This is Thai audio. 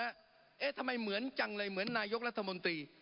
เอ๊ะทำไมเหมือนจังเลยเหมือนนายกรัฐมนตรี